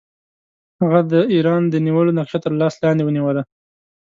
هغه د ایران د نیولو نقشه تر لاس لاندې ونیوله.